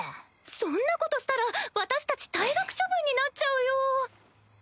そんなことしたら私たち退学処分になっちゃうよ。